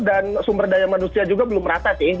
dan sumber daya manusia juga belum rata sih